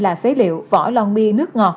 là phế liệu vỏ lon mi nước ngọt